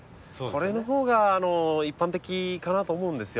これのほうが一般的かなと思うんですよ。